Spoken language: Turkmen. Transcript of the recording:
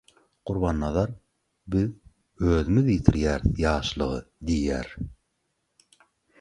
Gurbannazar «Biz özümiz ýitirýäris ýaşlygy» diýýär.